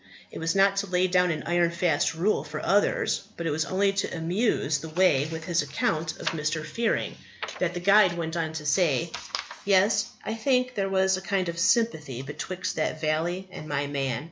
It was not to lay down an iron fast rule for others, but it was only to amuse the way with his account of Mr. Fearing, that the guide went on to say: "Yes, I think there was a kind of sympathy betwixt that valley and my man.